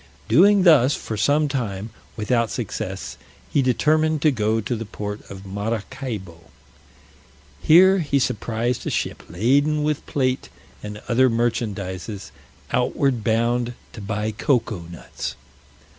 Doing thus, for some time, without success, he determined to go to the port of Maracaibo. Here he surprised a ship laden with plate, and other merchandises, outward bound, to buy cocoa nuts.